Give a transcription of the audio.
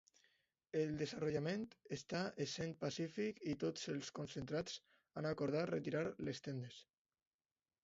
El desallotjament està essent pacífic i tots els concentrats han acordat retirar les tendes.